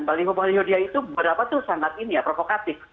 baliho baliho dia itu berapa tuh sangat provokatif